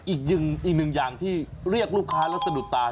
อีกหนึ่งอย่างที่เรียกลูกค้าแล้วสะดุดตา